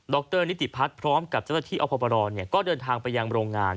รนิติพัฒน์พร้อมกับเจ้าหน้าที่อบรก็เดินทางไปยังโรงงาน